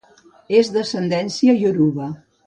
És d'ascendència ioruba.